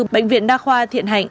bệnh viện đa khoa thiện hạnh